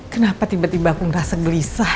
kenapa tiba tiba aku ngerasa gelisah ya